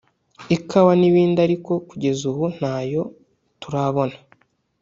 ikawa n’ibindi ariko kugeza ubu ntayo turabona